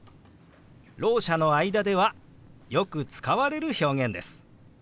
ろう者の間ではよく使われる表現です。